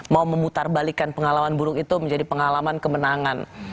mau memutarbalikan pengalaman buruk itu menjadi pengalaman kemenangan